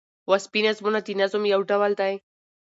وصفي نظمونه د نظم یو ډول دﺉ.